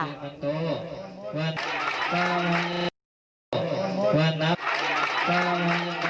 ว้าวความสภาพว้าว